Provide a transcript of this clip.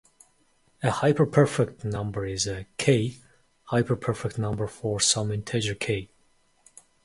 A hyperperfect number is a "k"-hyperperfect number for some integer "k".